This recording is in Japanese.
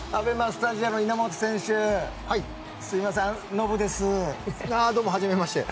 ＡＢＥＭＡスタジアムの稲本選手はじめまして。